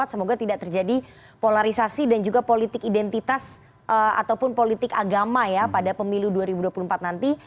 semoga tidak terjadi polarisasi dan juga politik identitas ataupun politik agama ya pada pemilu dua ribu dua puluh empat nanti